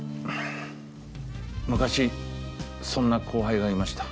昔そんな後輩がいました。